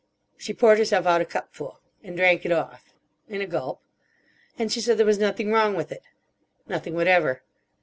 She poured herself out a cupful. And drank it off. In a gulp. And she said there was nothing wrong with it. Nothing whatever.